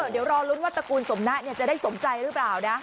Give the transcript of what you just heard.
เดี๋ยวรอลุ้นว่าตระกูลสมนะจะได้สมใจหรือเปล่านะ